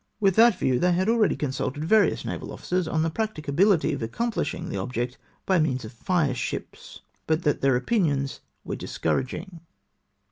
With that view they had already consuhed various naval officers on the practicability of accomphshing the object by means of fire ships ; but that their opinions were discouraging."